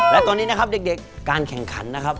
และตอนนี้นะครับเด็กการแข่งขันนะครับ